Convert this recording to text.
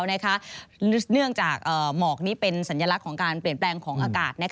เนื่องจากหมอกนี้เป็นสัญลักษณ์ของการเปลี่ยนแปลงของอากาศ